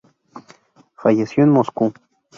Falleció en Moscú.